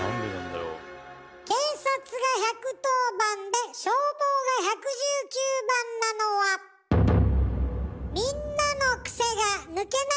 警察が１１０番で消防が１１９番なのはみんなのクセが抜けなかったから。